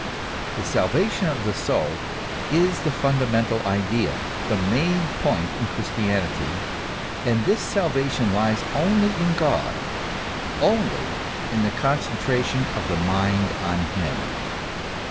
The salvation of the soul is the fundamental idea, the main point in Christianity; and this salvation lies only in God, only in the concentration of the mind on Him.